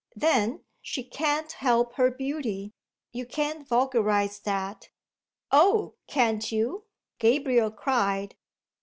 Then she can't help her beauty. You can't vulgarise that." "Oh, can't you?" Gabriel cried.